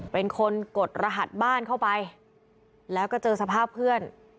เป็นคนกดรหัสบ้านเข้าไปแล้วก็เจอสภาพเพื่อน